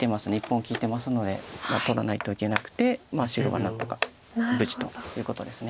１本利いてますので取らないといけなくて白が何とか無事ということです。